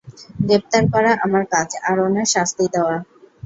গ্রেপ্তার করা আমার কাজ, আর উনার শাস্তি দেওয়া।